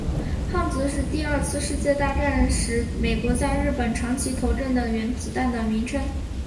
胖子是第二次世界大战时美国在日本长崎投掷的原子弹的名称。